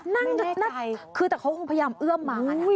นั่งคือแต่เขาคงพยายามเอื้อมหมา